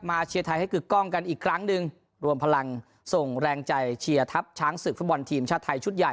เชียร์ไทยให้กึกกล้องกันอีกครั้งหนึ่งรวมพลังส่งแรงใจเชียร์ทัพช้างศึกฟุตบอลทีมชาติไทยชุดใหญ่